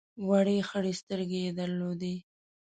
وړې خړې سترګې یې درلودې.